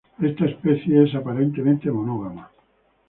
Esta especie es aparentemente monógama.